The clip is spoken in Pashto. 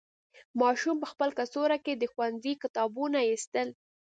ماشوم په خپل کڅوړه کې د ښوونځي کتابونه ایستل.